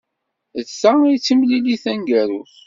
D ta ay d timlilit taneggarut.